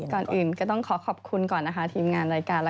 ก่อนอื่นก็ต้องขอขอบคุณก่อนนะคะทีมงานรายการเรา